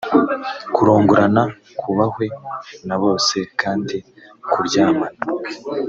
kurongorana kubahwe na bose kandi kuryamana